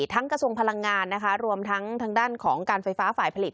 กระทรวงพลังงานนะคะรวมทั้งทางด้านของการไฟฟ้าฝ่ายผลิต